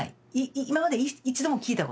今まで一度も聞いたことがない